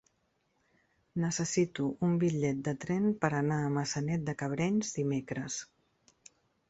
Necessito un bitllet de tren per anar a Maçanet de Cabrenys dimecres.